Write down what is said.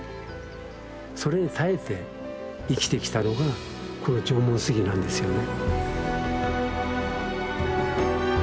それに耐えて生きてきたのがこの縄文杉なんですよね。